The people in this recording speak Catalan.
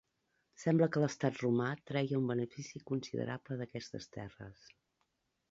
Sembla que l'estat romà treia un benefici considerable d'aquestes terres.